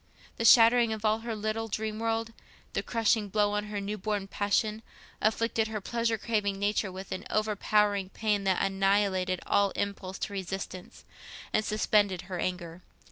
The shattering of all her little dream world, the crushing blow on her new born passion, afflicted her pleasure craving nature with an overpowering pain that annihilated all impulse to resistance, and suspended her anger.